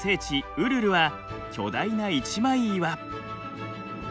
ウルルは巨大な一枚岩。